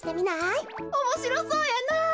おもしろそうやなあ。